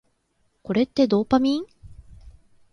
これってドーパミン？